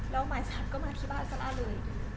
แล้วหมายสารก็มาที่บ้านซาร่าเลย